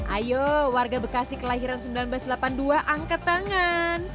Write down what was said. ayo warga bekasi kelahiran seribu sembilan ratus delapan puluh dua angkat tangan